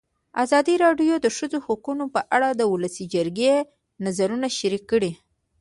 ازادي راډیو د د ښځو حقونه په اړه د ولسي جرګې نظرونه شریک کړي.